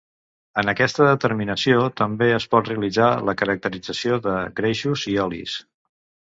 En aquesta determinació també es pot realitzar la caracterització de greixos i olis.